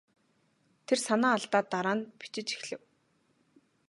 Тэр санаа алдаад дараа нь бичиж эхлэв.